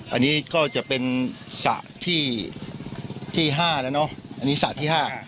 อันนี้ก็จะเป็นสระที่๕แล้วเนอะอันนี้สระที่๕